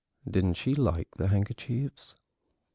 Didn't she like the handkerchiefs?"